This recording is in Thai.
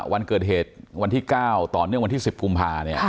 วันเกิดเหตุวันที่๙ต่อเนื่องวันที่๑๐กุมภา